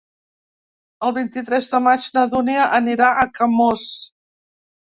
El vint-i-tres de maig na Dúnia anirà a Camós.